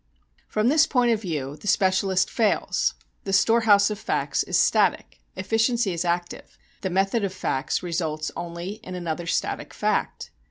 From this point of view the specialist fails; the storehouse of facts is static, efficiency is active; the method of facts results only in another static fact.